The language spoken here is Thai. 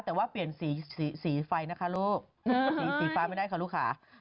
แต่ว่าเปลี่ยนสีฟ้าไม่ได้ค่ะลูกค้า